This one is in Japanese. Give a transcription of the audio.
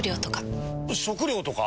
食料とか。